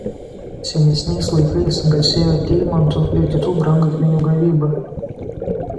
Senesniais laikais garsėjo deimantų ir kitų brangakmenių gavyba.